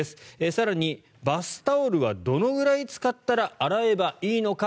更に、バスタオルはどのくらい使ったら洗えばいいのか。